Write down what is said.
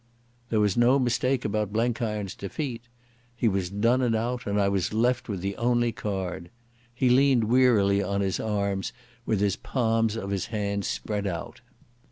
There was no mistake about Blenkiron's defeat. He was done and out, and I was left with the only card. He leaned wearily on his arms with the palms of his hands spread out.